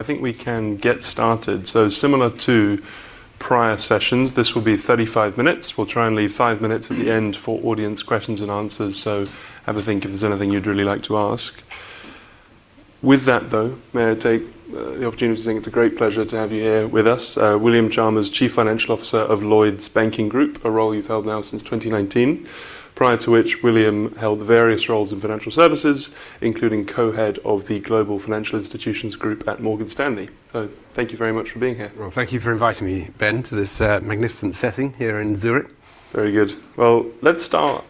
I think we can get started. Similar to prior sessions, this will be 35-minutes. We'll try and leave five minutes at the end for audience questions and answers. Have a think if there's anything you'd really like to ask. With that, though, may I take the opportunity to say it's a great pleasure to have you here with us, William Chalmers, Chief Financial Officer of Lloyds Banking Group, a role you've held now since 2019. Prior to which William held various roles in financial services, including Co-Head of the Global Financial Institutions Group at Morgan Stanley. Thank you very much for being here. Well, thank you for inviting me, Ben, to this magnificent setting here in Zürich. Very good. Well, let's start.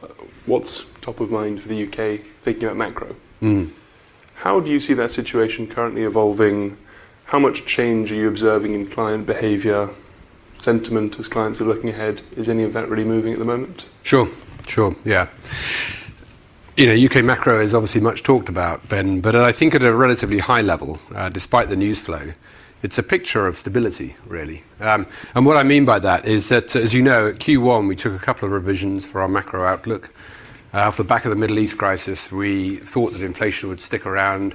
What's top of mind for the U.K., thinking about macro? How do you see that situation currently evolving? How much change are you observing in client behavior, sentiment as clients are looking ahead? Is any of that really moving at the moment? Sure, sure. Yeah. U.K. macro is obviously much talked about, Ben, but I think at a relatively high level, despite the news flow, it's a picture of stability, really. What I mean by that is that, as you know, at Q1, we took a couple of revisions for our macro outlook. Off the back of the Middle East crisis, we thought that inflation would stick around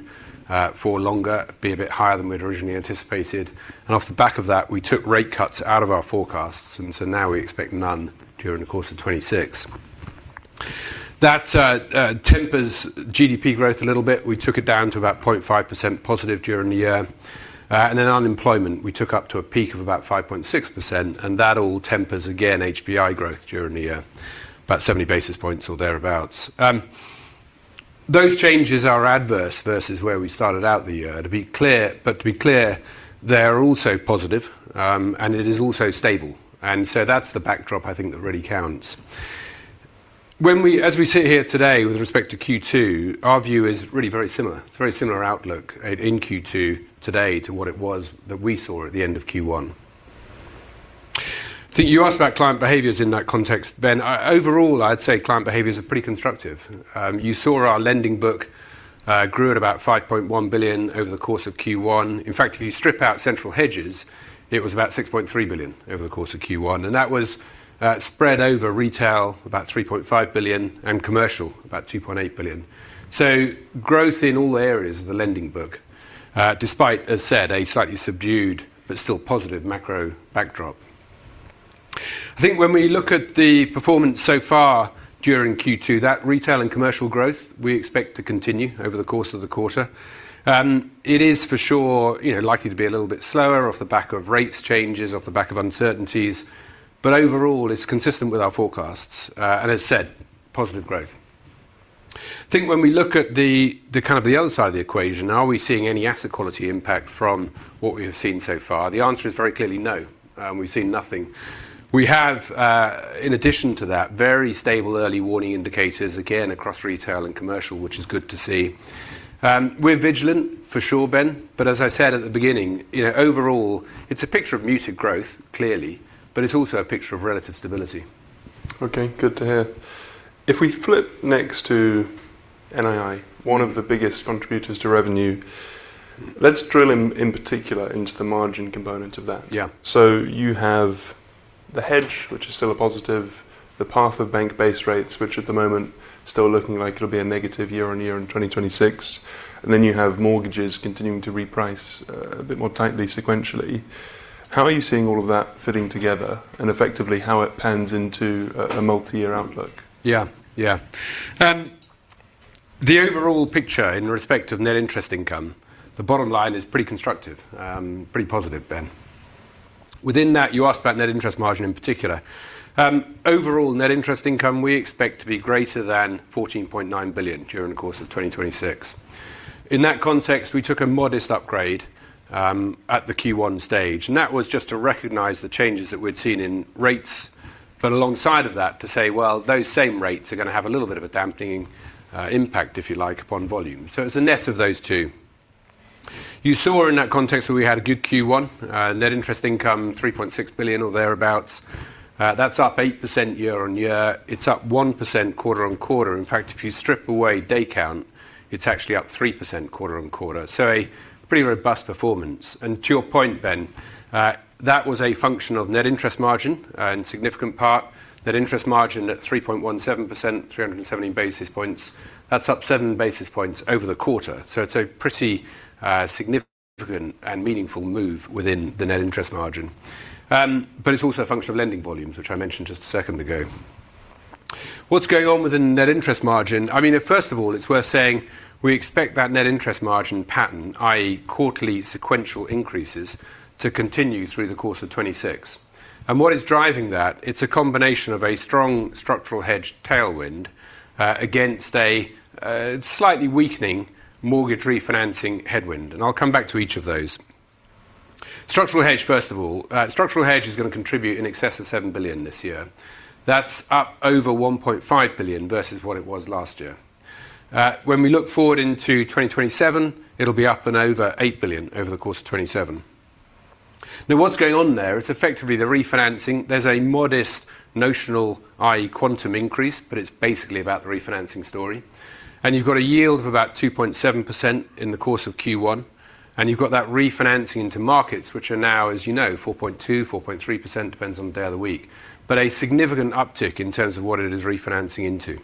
for longer, be a bit higher than we'd originally anticipated. Off the back of that, we took rate cuts out of our forecasts. Now we expect none during the course of 2026. That tempers GDP growth a little bit. We took it down to about 0.5%+ during the year. Then unemployment, we took up to a peak of about 5.6%. That all tempers, again, HPI growth during the year, about 70 basis points or thereabouts. Those changes are adverse versus where we started out the year. To be clear, they are also positive. It is also stable. That's the backdrop I think that really counts. As we sit here today with respect to Q2, our view is really very similar. It's a very similar outlook in Q2 today to what it was that we saw at the end of Q1. You asked about client behaviors in that context, Ben. Overall, I'd say client behaviors are pretty constructive. You saw our lending book grew at about 5.1 billion over the course of Q1. In fact, if you strip out structural hedges, it was about 6.3 billion over the course of Q1, and that was spread over Retail, about 3.5 billion, and Commercial, about 2.8 billion. Growth in all areas of the lending book, despite, as said, a slightly subdued but still positive macro backdrop. When we look at the performance so far during Q2, that Retail and Commercial growth, we expect to continue over the course of the quarter. It is for sure likely to be a little bit slower off the back of rates changes, off the back of uncertainties, but overall, it is consistent with our forecasts, and as said, positive growth. When we look at the other side of the equation, are we seeing any asset quality impact from what we have seen so far? The answer is very clearly no. We've seen nothing. We have, in addition to that, very stable early warning indicators, again, across Retail and Commercial, which is good to see. We're vigilant for sure, Ben. As I said at the beginning, overall, it's a picture of muted growth, clearly. It's also a picture of relative stability. Okay. Good to hear. If we flip next to NII, one of the biggest contributors to revenue, let's drill in particular into the margin component of that. Yeah. You have the hedge, which is still a positive, the path of bank base rates, which at the moment still looking like it'll be a negative year-on-year in 2026. Then you have Mortgages continuing to reprice a bit more tightly sequentially. How are you seeing all of that fitting together and effectively how it pans into a multiyear outlook? Yeah, yeah. The overall picture in respect of net interest income, the bottom line is pretty constructive, pretty positive, Ben. Within that, you asked about net interest margin in particular. Overall net interest income, we expect to be greater than 14.9 billion during the course of 2026. In that context, we took a modest upgrade, at the Q1 stage, and that was just to recognize the changes that we'd seen in rates. Alongside of that, to say, well, those same rates are going to have a little bit of a dampening impact, if you like, upon volume. It's a net of those two. You saw in that context that we had a good Q1. Net interest income, 3.6 billion or thereabouts. That's up 8% year-on-year. It's up 1% quarter-on-quarter. In fact, if you strip away day count, it's actually up 3% quarter-on-quarter. A pretty robust performance. To your point, Ben, that was a function of net interest margin in significant part. Net interest margin at 3.17%, 317 basis points. That's up seven basis points over the quarter. It's a pretty significant and meaningful move within the net interest margin. It's also a function of lending volumes, which I mentioned just a second ago. What's going on within net interest margin? First of all, it's worth saying we expect that net interest margin pattern, i.e. quarterly sequential increases, to continue through the course of 2026. What is driving that, it's a combination of a strong structural hedge tailwind against a slightly weakening mortgage refinancing headwind. I'll come back to each of those. Structural hedge, first of all. Structural hedge is going to contribute in excess of 7 billion this year. That's up over 1.5 billion versus what it was last year. We look forward into 2027, it'll be up and over 8 billion over the course of 2027. What's going on there is effectively the refinancing. There's a modest notional, i.e. quantum increase, but it's basically about the refinancing story. You've got a yield of about 2.7% in the course of Q1, and you've got that refinancing into markets which are now, as you know, 4.2%-4.3%, depends on the day of the week. A significant uptick in terms of what it is refinancing into.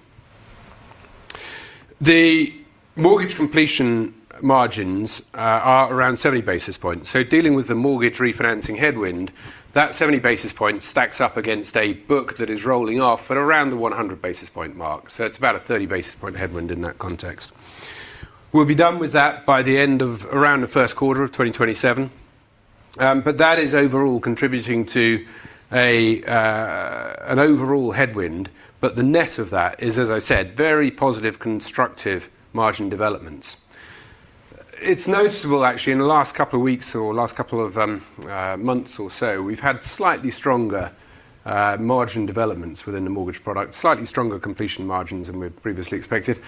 The Mortgage completion margins are around 70 basis points. Dealing with the Mortgage refinancing headwind, that 70 basis points stacks up against a book that is rolling off at around the 100 basis point mark. It's about a 30 basis point headwind in that context. We'll be done with that by the end of around the first quarter of 2027. That is overall contributing to an overall headwind. The net of that is, as I said, very positive, constructive margin developments. It's noticeable actually in the last couple of weeks or last couple of months or so, we've had slightly stronger margin developments within the Mortgage product, slightly stronger completion margins than we'd previously expected.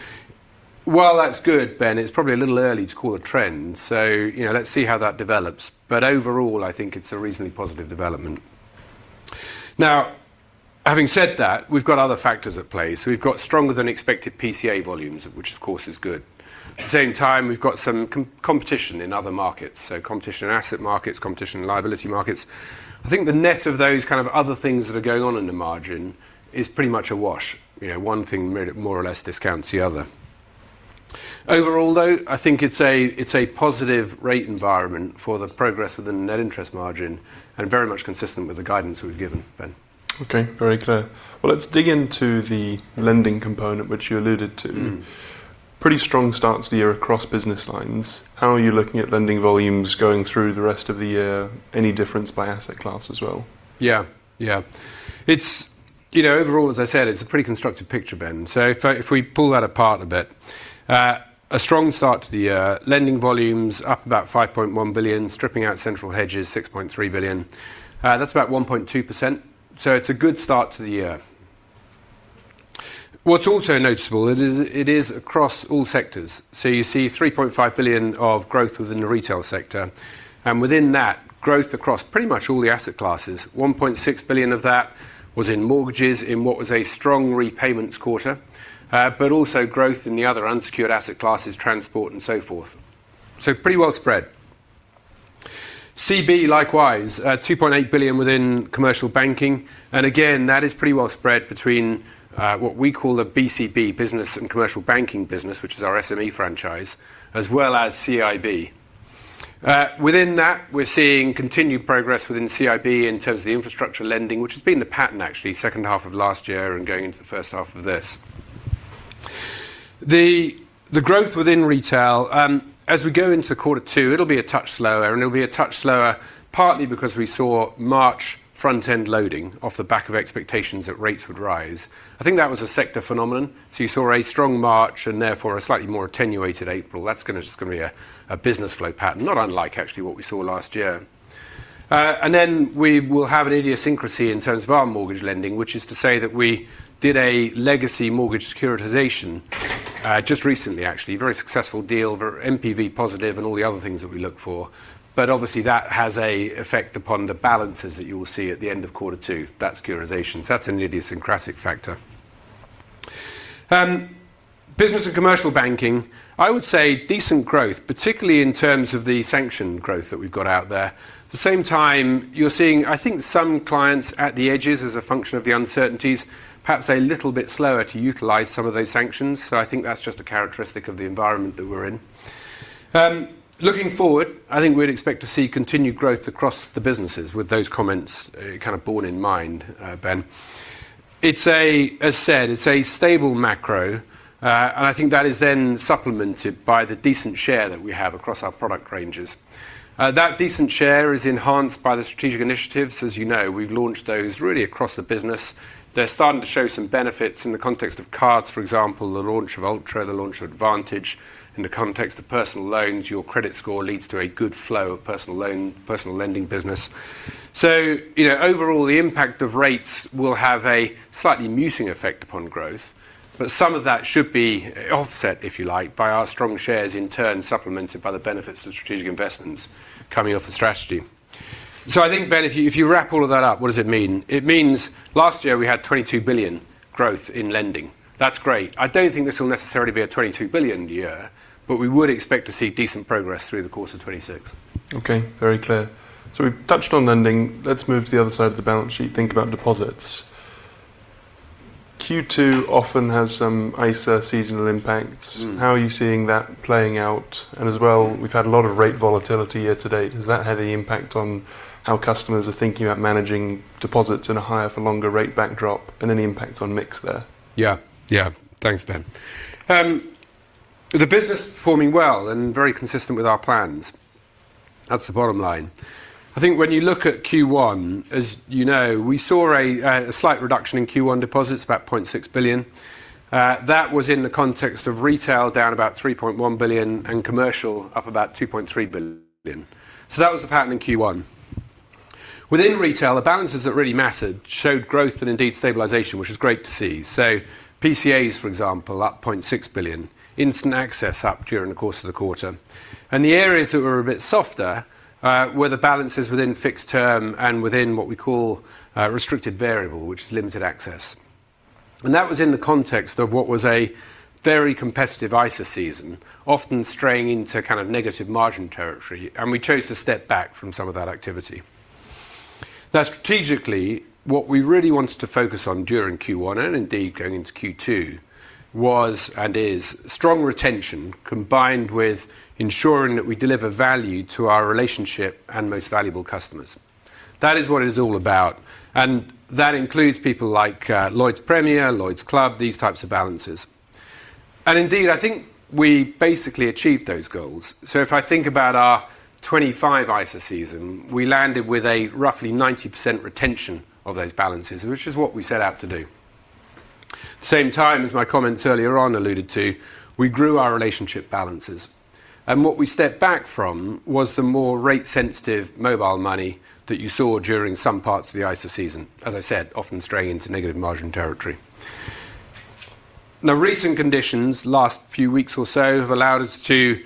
While that's good, Ben, it's probably a little early to call a trend. Let's see how that develops. Overall, I think it's a reasonably positive development. Now, having said that, we've got other factors at play. We've got stronger than expected PCA volumes, which of course is good. At the same time, we've got some competition in other markets, so competition in asset markets, competition in liability markets. I think the net of those kind of other things that are going on in the margin is pretty much a wash. One thing more or less discounts the other. Overall, though, I think it's a positive rate environment for the progress within the net interest margin and very much consistent with the guidance we've given, Ben. Okay, very clear. Well, let's dig into the lending component, which you alluded to. Pretty strong start to the year across business lines. How are you looking at lending volumes going through the rest of the year? Any difference by asset class as well? Overall, as I said, it's a pretty constructive picture, Ben. If we pull that apart a bit, a strong start to the year. Lending volumes up about 5.1 billion, stripping out central hedges, 6.3 billion. That's about 1.2%. It's a good start to the year. What's also noticeable, it is across all sectors. You see 3.5 billion of growth within the Retail sector. Within that, growth across pretty much all the asset classes. 1.6 billion of that was in mortgages in what was a strong repayments quarter. Also growth in the other unsecured asset classes, transport and so forth. Pretty well spread. CB, likewise, 2.8 billion within Commercial Banking. Again, that is pretty well spread between what we call the BCB, business and Commercial Banking business, which is our SME franchise, as well as CIB. Within that, we're seeing continued progress within CIB in terms of the infrastructure lending, which has been the pattern actually second half of last year and going into the first half of this. The growth within Retail, as we go into quarter two, it'll be a touch slower, and it'll be a touch slower partly because we saw March front-end loading off the back of expectations that rates would rise. I think that was a sector phenomenon. You saw a strong March and therefore a slightly more attenuated April. That's just going to be a business flow pattern, not unlike actually what we saw last year. We will have an idiosyncrasy in terms of our mortgage lending, which is to say that we did a legacy mortgage securitization just recently, actually. A very successful deal, very NPV positive, and all the other things that we look for. Obviously that has a effect upon the balances that you will see at the end of quarter two. That securitization. That's an idiosyncratic factor. Business and Commercial Banking, I would say decent growth, particularly in terms of the sanction growth that we've got out there. At the same time, you're seeing, I think, some clients at the edges as a function of the uncertainties, perhaps a little bit slower to utilize some of those sanctions. I think that's just a characteristic of the environment that we're in. Looking forward, I think we'd expect to see continued growth across the businesses with those comments kind of borne in mind, Ben. As said, it's a stable macro. I think that is supplemented by the decent share that we have across our product ranges. That decent share is enhanced by the strategic initiatives. As you know, we've launched those really across the business. They're starting to show some benefits in the context of cards, for example, the launch of Ultra, the launch of Advance. In the context of personal loans, Your Credit Score leads to a good flow of personal lending business. Overall, the impact of rates will have a slightly muting effect upon growth, but some of that should be offset, if you like, by our strong shares, in turn, supplemented by the benefits of strategic investments coming off the strategy. I think, Ben, if you wrap all of that up, what does it mean? It means last year we had 22 billion growth in lending. That's great. I don't think this will necessarily be a 22 billion year, we would expect to see decent progress through the course of 2026. Okay, very clear. We've touched on lending. Let's move to the other side of the balance sheet, think about deposits. Q2 often has some ISA seasonal impacts. How are you seeing that playing out? As well, we've had a lot of rate volatility year to date. Has that had any impact on how customers are thinking about managing deposits in a higher for longer rate backdrop and any impact on mix there? Yeah. Thanks, Ben. The business is performing well and very consistent with our plans. That's the bottom line. I think when you look at Q1, as you know, we saw a slight reduction in Q1 deposits, about 0.6 billion. That was in the context of Retail down about 3.1 billion and Commercial up about 2.3 billion. That was the pattern in Q1. Within Retail, the balances that really mattered showed growth and indeed stabilization, which is great to see. PCAs, for example, up 0.6 billion. Instant access up during the course of the quarter. The areas that were a bit softer were the balances within fixed term and within what we call restricted variable, which is limited access. That was in the context of what was a very competitive ISA season, often straying into kind of negative margin territory, and we chose to step back from some of that activity. Now strategically, what we really wanted to focus on during Q1, and indeed going into Q2, was, and is, strong retention combined with ensuring that we deliver value to our relationship and most valuable customers. That is what it is all about, and that includes people like Lloyds Premier, Club Lloyds, these types of balances. Indeed, I think we basically achieved those goals. If I think about our 2025 ISA season, we landed with a roughly 90% retention of those balances, which is what we set out to do. Same time as my comments earlier on alluded to, we grew our relationship balances. What we stepped back from was the more rate sensitive mobile money that you saw during some parts of the ISA season, as I said, often straying into negative margin territory. Now recent conditions, last few weeks or so, have allowed us to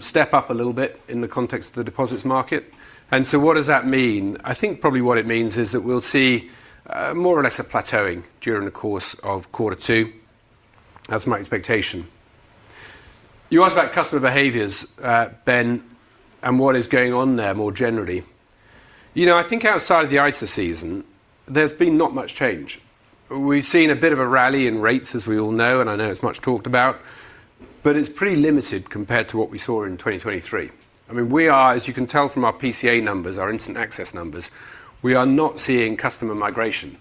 step up a little bit in the context of the deposits market. What does that mean? I think probably what it means is that we'll see more or less a plateauing during the course of quarter two. That's my expectation. You asked about customer behaviors, Ben, and what is going on there more generally. I think outside of the ISA season, there's been not much change. We've seen a bit of a rally in rates, as we all know, and I know it's much talked about. It's pretty limited compared to what we saw in 2023. We are, as you can tell from our PCA numbers, our instant access numbers, we are not seeing customer migration.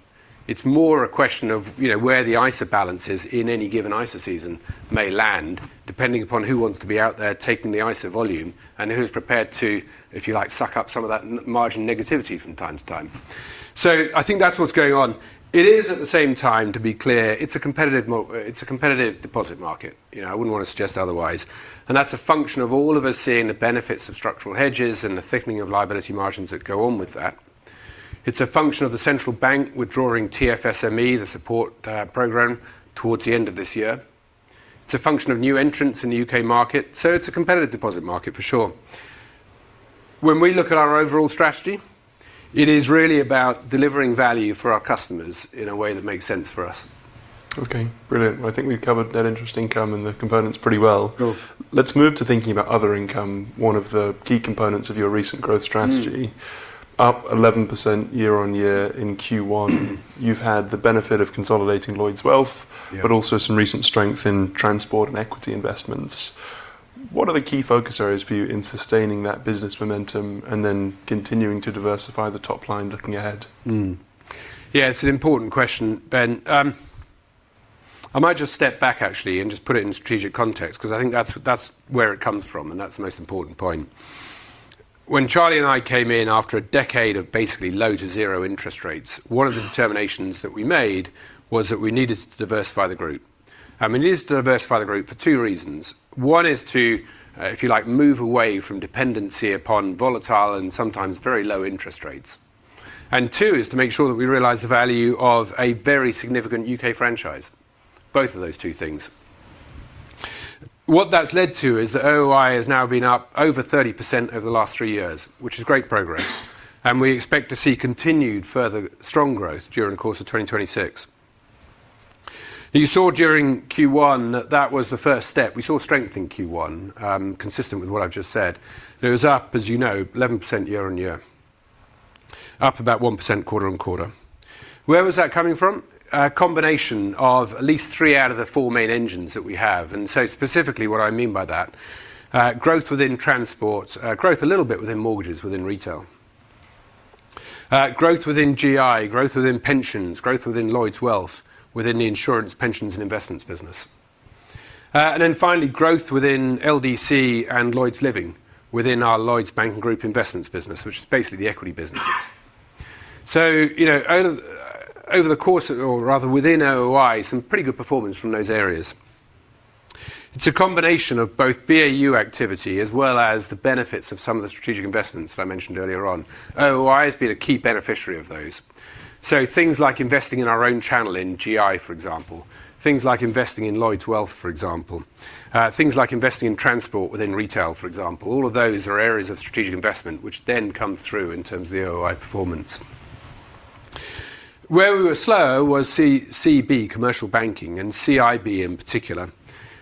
It's more a question of where the ISA balances in any given ISA season may land, depending upon who wants to be out there taking the ISA volume and who's prepared to, if you like, suck up some of that margin negativity from time to time. I think that's what's going on. It is at the same time, to be clear, it's a competitive deposit market. I wouldn't want to suggest otherwise. That's a function of all of us seeing the benefits of structural hedges and the thickening of liability margins that go on with that. It's a function of the central bank withdrawing TFSME, the support program, towards the end of this year. It's a function of new entrants in the U.K. market. It's a competitive deposit market for sure. When we look at our overall strategy, it is really about delivering value for our customers in a way that makes sense for us. Okay, brilliant. I think we've covered net interest income and the components pretty well. Cool. Let's move to thinking about other income, one of the key components of your recent growth strategy. Up 11% year-on-year in Q1. You've had the benefit of consolidating Lloyds Wealth. Yeah. Also some recent strength in transport and equity investments. What are the key focus areas for you in sustaining that business momentum and then continuing to diversify the top line looking ahead? Yeah, it's an important question, Ben. I might just step back actually and just put it in strategic context because I think that's where it comes from, and that's the most important point. When Charlie and I came in after a decade of basically low to zero interest rates, one of the determinations that we made was that we needed to diversify the Group. We needed to diversify the group for two reasons. One is to, if you like, move away from dependency upon volatile and sometimes very low interest rates. Two is to make sure that we realize the value of a very significant U.K. franchise, both of those two things. That's led to is that OOI has now been up over 30% over the last three years, which is great progress. We expect to see continued further strong growth during the course of 2026. You saw during Q1 that that was the first step. We saw strength in Q1, consistent with what I've just said. It was up, as you know, 11% year-on-year. Up about 1% quarter-on-quarter. Where was that coming from? A combination of at least three out of the four main engines that we have. Specifically what I mean by that, growth within transport, growth a little bit within mortgages within Retail. Growth within GI, growth within pensions, growth within Lloyds Wealth, within the insurance, pensions and investments business. Finally, growth within LDC and Lloyds Living within our Lloyds Banking Group Investments business, which is basically the equity businesses. Over the course, or rather within OOI, some pretty good performance from those areas. It's a combination of both BAU activity as well as the benefits of some of the strategic investments that I mentioned earlier on. OOI has been a key beneficiary of those. Things like investing in our own channel in GI, for example, things like investing in Lloyds Wealth, for example, things like investing in transport within Retail, for example. All of those are areas of strategic investment which then come through in terms of the OOI performance. Where we were slower was CB, Commercial Banking, and CIB in particular.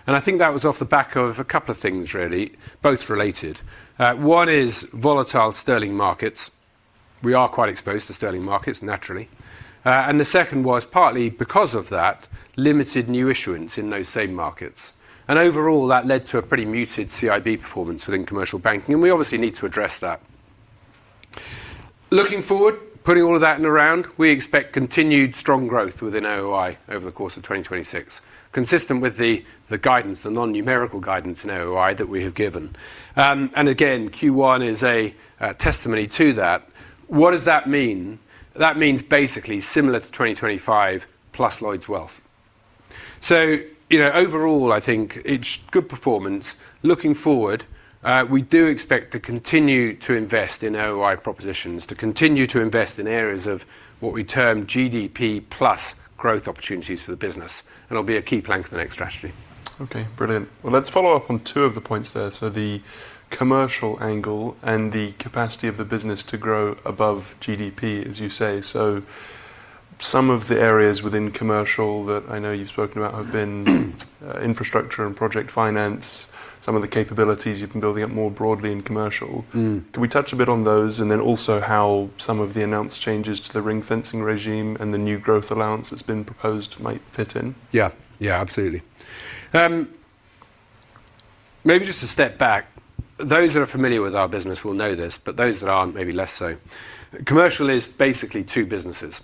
I think that was off the back of a couple of things really, both related. One is volatile sterling markets. We are quite exposed to sterling markets naturally. The second was partly because of that, limited new issuance in those same markets. Overall that led to a pretty muted CIB performance within Commercial Banking, and we obviously need to address that. Looking forward, putting all of that in the round, we expect continued strong growth within OOI over the course of 2026, consistent with the guidance, the non-numerical guidance in OOI that we have given. Again, Q1 is a testimony to that. What does that mean? That means basically similar to 2025 plus Lloyds Wealth. Overall, I think it's good performance. Looking forward, we do expect to continue to invest in OOI propositions, to continue to invest in areas of what we term GDP plus growth opportunities for the business, and it'll be a key plank for the next strategy. Brilliant. Well, let's follow up on two of the points there. The Commercial angle and the capacity of the business to grow above GDP, as you say. Some of the areas within Commercial that I know you've spoken about have been infrastructure and project finance, some of the capabilities you've been building up more broadly in Commercial. Can we touch a bit on those, and then also how some of the announced changes to the ring fencing regime and the new growth allowance that's been proposed might fit in? Absolutely. Maybe just to step back. Those that are familiar with our business will know this, but those that aren't maybe less so. Commercial is basically two businesses.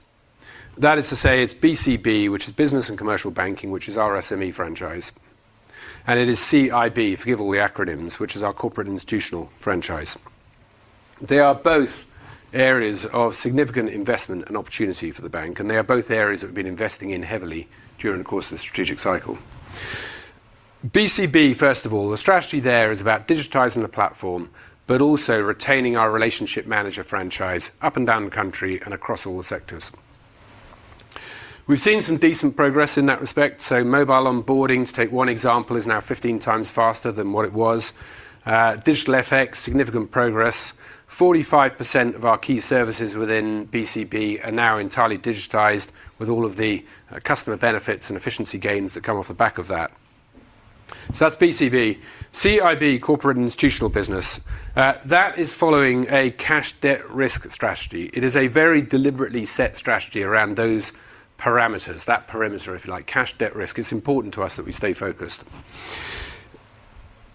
That is to say it's BCB, which is Business and Commercial Banking, which is our SME franchise, and it is CIB, forgive all the acronyms, which is our Corporate Institutional Franchise. They are both areas of significant investment and opportunity for the bank, and they are both areas that we've been investing in heavily during the course of the strategic cycle. BCB, first of all, the strategy there is about digitizing the platform, but also retaining our relationship manager franchise up and down the country and across all the sectors. We've seen some decent progress in that respect. Mobile onboarding, to take one example, is now 15 times faster than what it was. Digital FX, significant progress. 45% of our key services within BCB are now entirely digitized with all of the customer benefits and efficiency gains that come off the back of that. That's BCB. CIB, Corporate Institutional business. That is following a cash debt risk strategy. It is a very deliberately set strategy around those parameters. That parameter, if you like. Cash debt risk. It's important to us that we stay focused.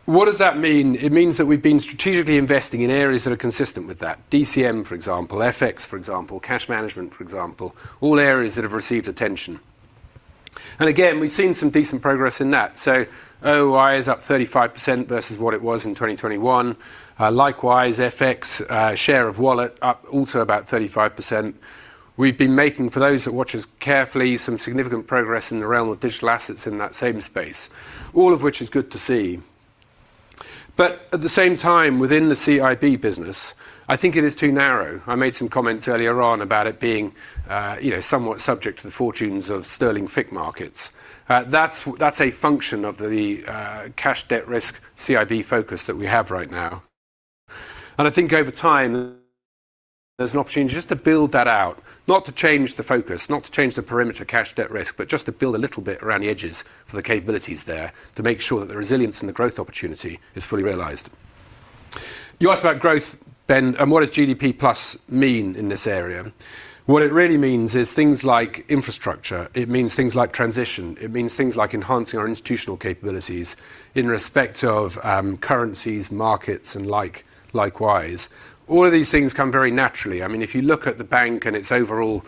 What does that mean? It means that we've been strategically investing in areas that are consistent with that. DCM, for example, FX for example, cash management, for example, all areas that have received attention. Again, we've seen some decent progress in that. OI is up 35% versus what it was in 2021. Likewise, FX, share of wallet up also about 35%. We've been making, for those that watch us carefully, some significant progress in the realm of digital assets in that same space. All of which is good to see. At the same time, within the CIB business, I think it is too narrow. I made some comments earlier on about it being somewhat subject to the fortunes of sterling FIG markets. That's a function of the cash debt risk CIB focus that we have right now. I think over time, there's an opportunity just to build that out. Not to change the focus, not to change the perimeter cash debt risk, but just to build a little bit around the edges for the capabilities there to make sure that the resilience and the growth opportunity is fully realized. You asked about growth, Ben, and what does GDP plus mean in this area? What it really means is things like infrastructure. It means things like transition. It means things like enhancing our institutional capabilities in respect of currencies, markets, and likewise. All of these things come very naturally. If you look at the bank and its overall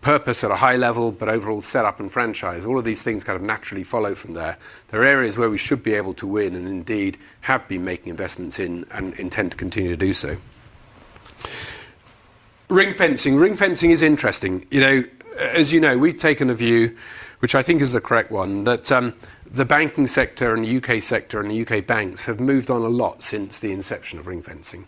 purpose at a high level, overall set up and franchise, all of these things kind of naturally follow from there. There are areas where we should be able to win, and indeed have been making investments in, and intend to continue to do so. Ring-fencing. Ring-fencing is interesting. As you know, we've taken a view, which I think is the correct one, that the banking sector and the U.K. sector and the U.K. banks have moved on a lot since the inception of ring fencing.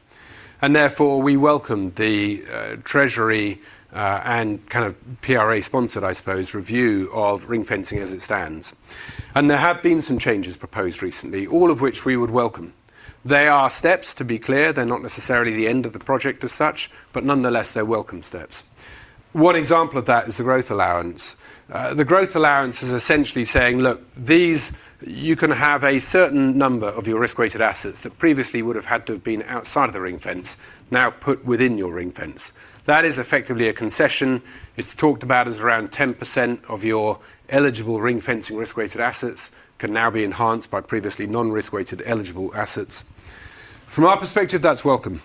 Therefore, we welcome the Treasury, and kind of PRA sponsored, I suppose, review of ring-fencing as it stands. There have been some changes proposed recently, all of which we would welcome. They are steps, to be clear. They're not necessarily the end of the project as such, but nonetheless, they're welcome steps. One example of that is the growth allowance. The growth allowance is essentially saying, look, you can have a certain number of your risk-weighted assets that previously would have had to have been outside of the ring-fence now put within your ring-fence. That is effectively a concession. It's talked about as around 10% of your eligible ring-fencing risk-weighted assets can now be enhanced by previously non-risk-weighted eligible assets. From our perspective, that's welcome.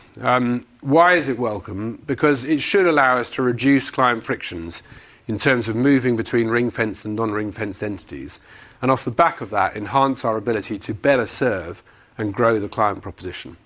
Why is it welcome? Because it should allow us to reduce client frictions in terms of moving between ring-fence and non-ring-fence entities. Off the back of that, enhance our ability to better serve and grow the client proposition.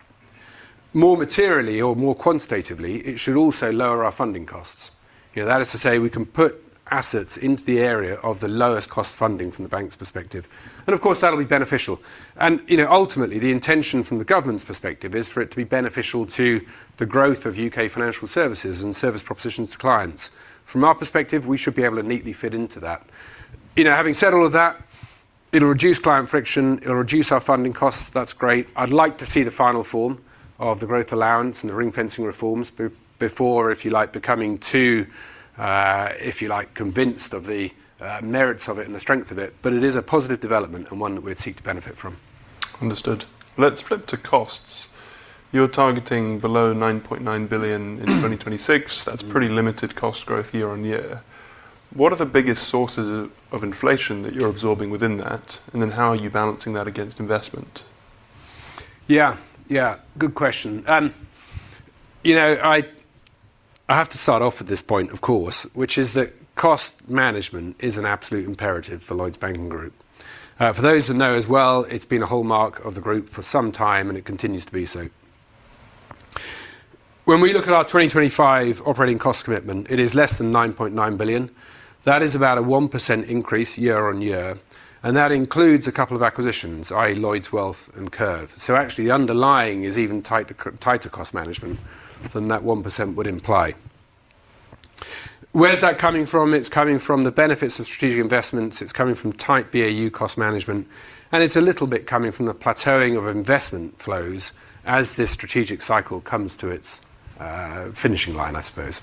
More materially or more quantitatively, it should also lower our funding costs. That is to say we can put assets into the area of the lowest cost funding from the bank's perspective. Of course, that'll be beneficial. Ultimately, the intention from the government's perspective is for it to be beneficial to the growth of U.K. financial services and service propositions to clients. From our perspective, we should be able to neatly fit into that. Having said all of that, it'll reduce client friction, it'll reduce our funding costs. That's great. I'd like to see the final form of the growth allowance and the ring-fencing reforms before, if you like, becoming too, if you like, convinced of the merits of it and the strength of it. It is a positive development and one that we'll seek to benefit from. Understood. Let's flip to costs. You're targeting below 9.9 billion in 2026. That's pretty limited cost growth year-over-year. What are the biggest sources of inflation that you're absorbing within that, and then how are you balancing that against investment? Yeah, yeah. Good question. I have to start off at this point, of course, which is that cost management is an absolute imperative for Lloyds Banking Group. For those that know as well, it's been a hallmark of the group for some time, and it continues to be so. When we look at our 2025 operating cost commitment, it is less than 9.9 billion. That is about a 1% increase year-on-year, and that includes a couple of acquisitions, i.e. Lloyds Wealth and Curve. Actually, the underlying is even tighter cost management than that 1% would imply. Where is that coming from? It's coming from the benefits of strategic investments. It's coming from tight BAU cost management, and it's a little bit coming from the plateauing of investment flows as this strategic cycle comes to its finishing line, I suppose.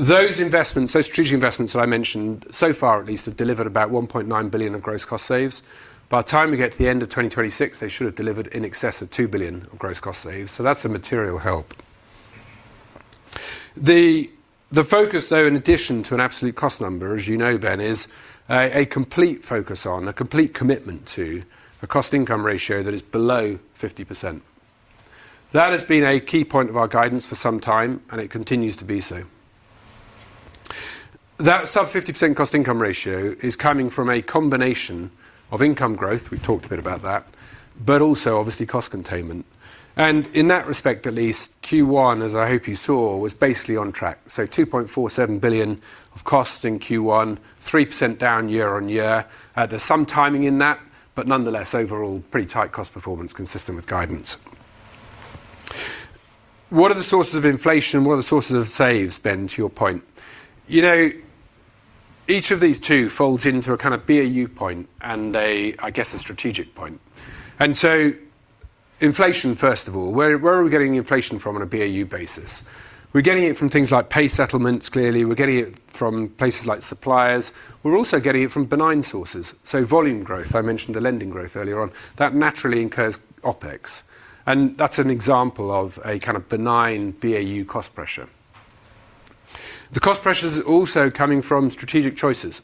Those strategic investments that I mentioned so far at least have delivered about 1.9 billion of gross cost saves. By the time we get to the end of 2026, they should have delivered in excess of 2 billion of gross cost saves. That's a material help. The focus, though, in addition to an absolute cost number, as you know, Ben, is a complete focus on, a complete commitment to a cost-income ratio that is below 50%. That has been a key point of our guidance for some time, and it continues to be so. That sub 50% cost-income ratio is coming from a combination of income growth, we talked a bit about that, but also obviously cost containment. In that respect, at least, Q1, as I hope you saw, was basically on track. 2.47 billion of costs in Q1, 3% down year-over-year. There's some timing in that, but nonetheless, overall, pretty tight cost performance consistent with guidance. What are the sources of inflation? What are the sources of saves, Ben, to your point? Each of these two folds into a kind of BAU point and, I guess, a strategic point. Inflation, first of all, where are we getting the inflation from on a BAU basis? We're getting it from things like pay settlements, clearly. We're getting it from places like suppliers. We're also getting it from benign sources. Volume growth, I mentioned the lending growth earlier on, that naturally incurs OpEx. That's an example of a kind of benign BAU cost pressure. The cost pressure is also coming from strategic choices.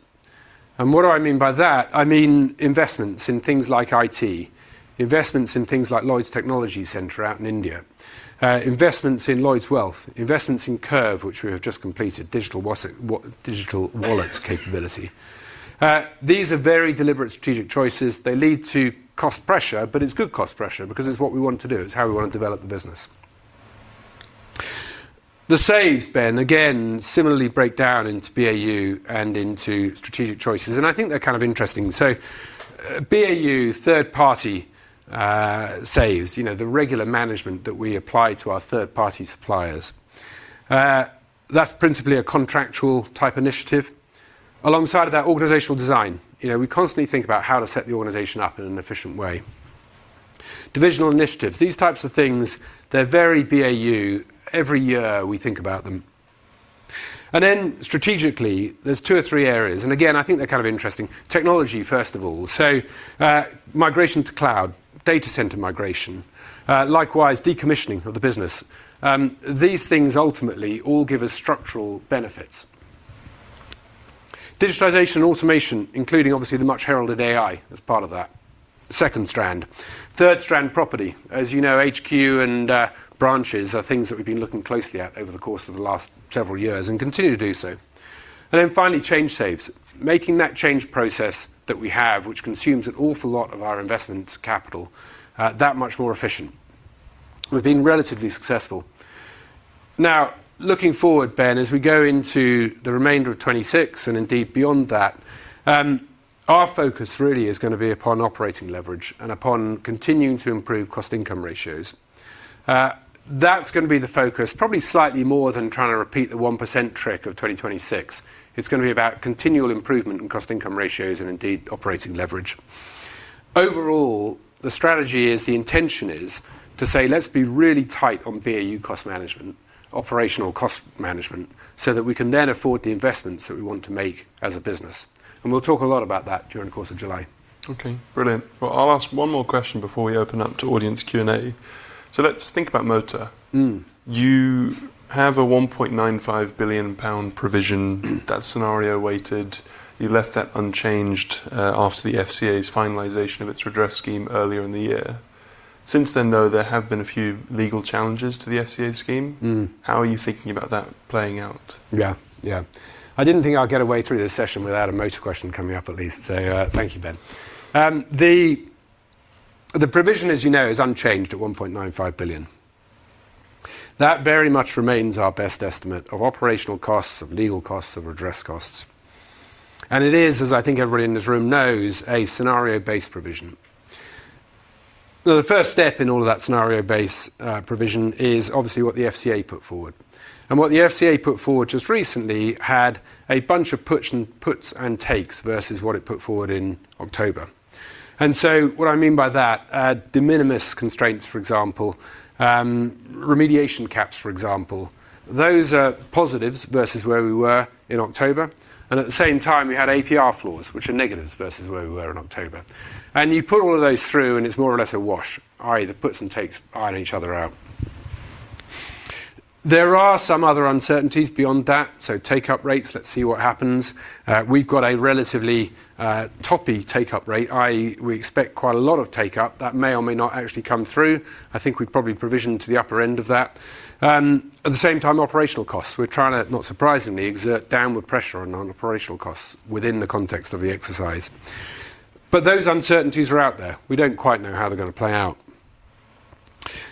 What do I mean by that? I mean investments in things like IT, investments in things like Lloyds Technology Centre out in India, investments in Lloyds Wealth, investments in Curve, which we have just completed, digital wallets capability. These are very deliberate strategic choices. They lead to cost pressure, but it's good cost pressure because it's what we want to do. It's how we want to develop the business. The saves, Ben, again, similarly break down into BAU and into strategic choices. I think they're kind of interesting. BAU third-party saves, the regular management that we apply to our third-party suppliers. That's principally a contractual type initiative. Alongside of that, organizational design. We constantly think about how to set the organization up in an efficient way. Divisional initiatives, these types of things, they're very BAU. Every year we think about them. Strategically, there's two or three areas. Again, I think they're kind of interesting. Technology, first of all. Migration to cloud, data center migration, likewise decommissioning of the business. These things ultimately all give us structural benefits. Digitization and automation, including obviously the much heralded AI as part of that second strand. Third strand, property. As you know, HQ and branches are things that we've been looking closely at over the course of the last several years and continue to do so. Finally, change saves. Making that change process that we have, which consumes an awful lot of our investment capital, that much more efficient. We've been relatively successful. Now, looking forward, Ben, as we go into the remainder of 2026 and indeed beyond that, our focus really is going to be upon operating leverage and upon continuing to improve cost-income ratios. That's going to be the focus, probably slightly more than trying to repeat the 1% trick of 2026. It's going to be about continual improvement in cost-income ratios and indeed operating leverage. Overall, the strategy is, the intention is to say, let's be really tight on BAU cost management, operational cost management, so that we can then afford the investments that we want to make as a business. We'll talk a lot about that during the course of July. Okay. Brilliant. I'll ask one more question before we open up to audience Q&A. Let's think about motor. You have a 1.95 billion pound provision that's scenario weighted. You left that unchanged after the FCA's finalization of its redress scheme earlier in the year. Since then, though, there have been a few legal challenges to the FCA scheme. How are you thinking about that playing out? Yeah. I didn't think I'd get a way through this session without a motor question coming up, at least. Thank you, Ben. The provision, as you know, is unchanged at 1.95 billion. That very much remains our best estimate of operational costs, of legal costs, of redress costs. It is, as I think everybody in this room knows, a scenario-based provision. The first step in all of that scenario base provision is obviously what the FCA put forward. What the FCA put forward just recently had a bunch of puts and takes versus what it put forward in October. What I mean by that, de minimis constraints, for example, remediation caps, for example. Those are positives versus where we were in October. At the same time, we had APR flaws, which are negatives versus where we were in October. You put all of those through and it's more or less a wash, i.e., the puts and takes iron each other out. There are some other uncertainties beyond that. Take-up rates, let's see what happens. We've got a relatively toppy take-up rate, i.e., we expect quite a lot of take-up that may or may not actually come through. I think we've probably provisioned to the upper end of that. At the same time, operational costs. We're trying to, not surprisingly, exert downward pressure on operational costs within the context of the exercise. Those uncertainties are out there. We don't quite know how they're going to play out.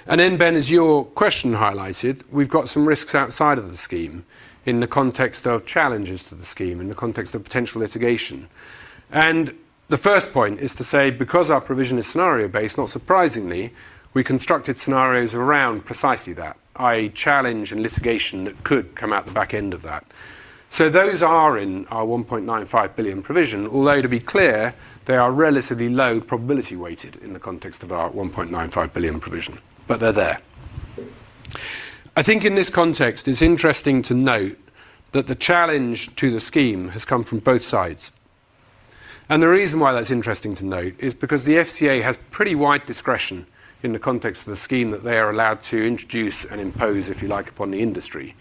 Then, Ben, as your question highlighted, we've got some risks outside of the scheme in the context of challenges to the scheme, in the context of potential litigation. The first point is to say, because our provision is scenario based, not surprisingly, we constructed scenarios around precisely that, i.e., challenge and litigation that could come out the back end of that. Those are in our 1.95 billion provision, although to be clear, they are relatively low probability weighted in the context of our 1.95 billion provision, but they're there. I think in this context, it's interesting to note that the challenge to the scheme has come from both sides. The reason why that's interesting to note is because the FCA has pretty wide discretion in the context of the scheme that they are allowed to introduce and impose, if you like, upon the industry.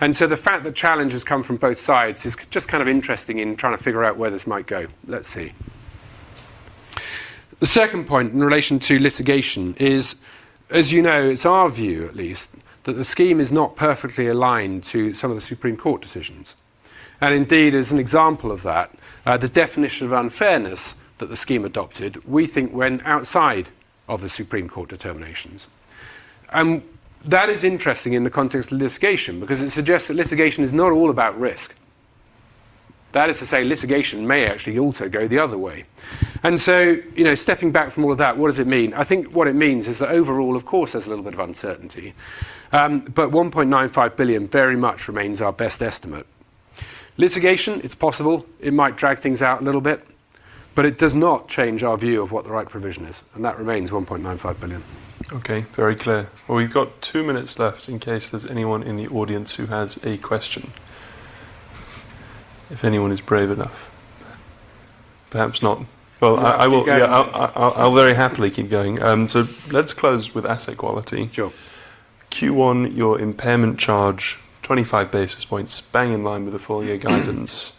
The fact that challenge has come from both sides is just kind of interesting in trying to figure out where this might go. Let's see. The second point in relation to litigation is, as you know, it's our view at least, that the scheme is not perfectly aligned to some of the Supreme Court decisions. Indeed, as an example of that, the definition of unfairness that the scheme adopted, we think went outside of the Supreme Court determinations. That is interesting in the context of litigation because it suggests that litigation is not all about risk. That is to say, litigation may actually also go the other way. Stepping back from all of that, what does it mean? I think what it means is that overall, of course, there's a little bit of uncertainty, but 1.95 billion very much remains our best estimate. Litigation, it's possible, it might drag things out a little bit, but it does not change our view of what the right provision is, and that remains 1.95 billion. Okay, very clear. Well, we've got two minutes left in case there's anyone in the audience who has a question. If anyone is brave enough. Perhaps not. Keep going. Yeah, I'll very happily keep going. Let's close with asset quality. Sure. Q1, your impairment charge, 25 basis points, bang in line with the full year guidance.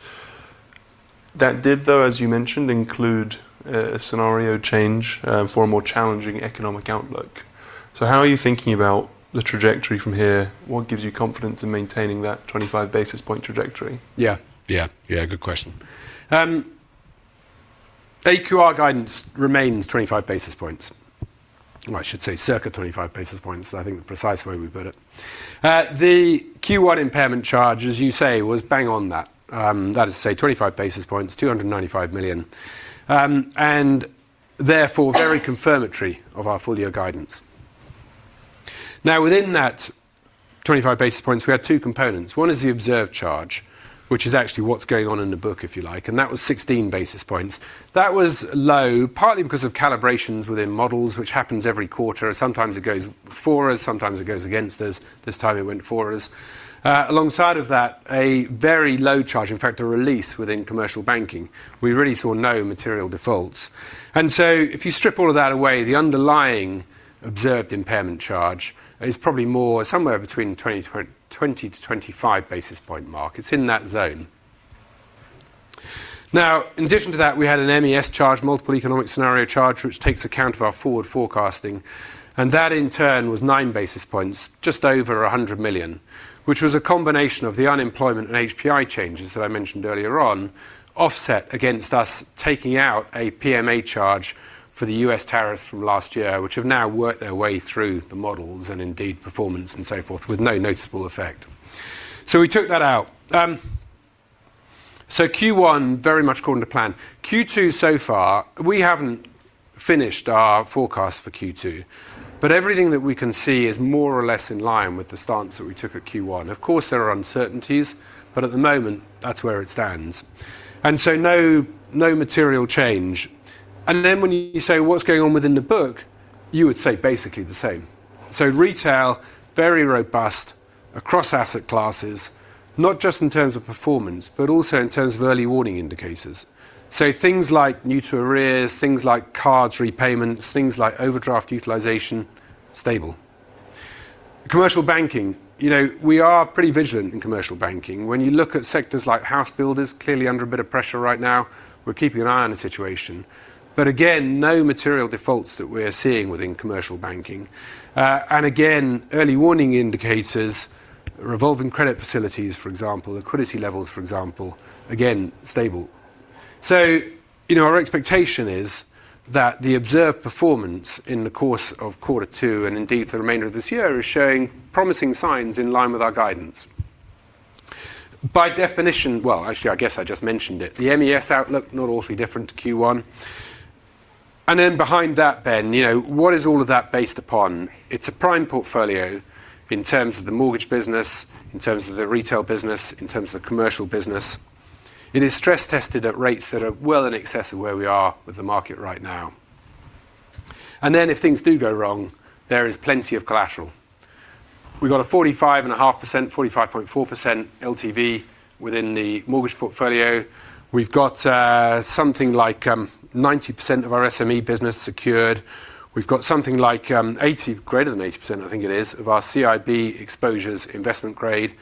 That did, though, as you mentioned, include a scenario change for a more challenging economic outlook. How are you thinking about the trajectory from here? What gives you confidence in maintaining that 25 basis point trajectory? Yeah, yeah. Good question. AQR guidance remains 25 basis points. I should say circa 25 basis points, I think the precise way we put it. The Q1 impairment charge, as you say, was bang on that. That is to say 25 basis points, 295 million. Therefore very confirmatory of our full year guidance. Now within that 25 basis points, we had two components. One is the observed charge, which is actually what's going on in the book, if you like, and that was 16 basis points. That was low, partly because of calibrations within models, which happens every quarter. Sometimes it goes for us, sometimes it goes against us. This time it went for us. Alongside of that, a very low charge, in fact, a release within Commercial Banking. We really saw no material defaults. If you strip all of that away, the underlying observed impairment charge is probably more somewhere between 20-25 basis point mark. It's in that zone. In addition to that, we had an MES charge, multiple economic scenario charge, which takes account of our forward forecasting. That in turn was 9 basis points, just over 100 million, which was a combination of the unemployment and HPI changes that I mentioned earlier on, offset against us taking out a PMA charge for the U.S. tariffs from last year, which have now worked their way through the models and indeed performance and so forth with no noticeable effect. We took that out. Q1, very much according to plan. Q2 so far, we haven't finished our forecast for Q2, but everything that we can see is more or less in line with the stance that we took at Q1. Of course, there are uncertainties, but at the moment, that's where it stands. No material change. When you say what's going on within the book, you would say basically the same. Retail, very robust across asset classes, not just in terms of performance, but also in terms of early warning indicators. Things like new to arrears, things like cards repayments, things like overdraft utilization, stable. Commercial Banking. We are pretty vigilant in Commercial Banking. When you look at sectors like house builders, clearly under a bit of pressure right now. We're keeping an eye on the situation. Again, no material defaults that we're seeing within Commercial Banking. Early warning indicators, revolving credit facilities, for example, liquidity levels, for example, again, stable. Our expectation is that the observed performance in the course of quarter two and indeed the remainder of this year is showing promising signs in line with our guidance. Well, actually, I guess I just mentioned it. The MES outlook, not awfully different to Q1. Behind that, Ben, what is all of that based upon? It's a prime portfolio in terms of the Mortgage business, in terms of the Retail business, in terms of Commercial business. It is stress tested at rates that are well in excess of where we are with the market right now. If things do go wrong, there is plenty of collateral. We've got a 45.4% LTV within the Mortgage portfolio. We've got something like 90% of our SME business secured. We've got something like 80, greater than 80% I think it is, of our CIB exposures investment grade.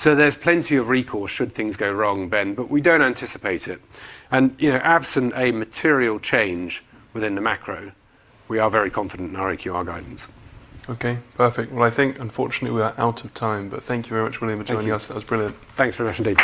There's plenty of recourse should things go wrong, Ben, but we don't anticipate it. Absent a material change within the macro, we are very confident in our AQR guidance. Okay, perfect. I think unfortunately we are out of time, but thank you very much, William— Thank you. —for joining us. That was brilliant. Thanks very much indeed.